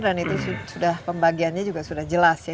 dan itu sudah pembagiannya juga sudah jelas ya